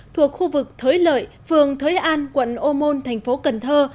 thuộc khu vực thới lợi phường thới an quận ô môn thành phố cần thơ